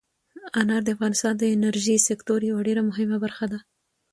انار د افغانستان د انرژۍ سکتور یوه ډېره مهمه برخه ده.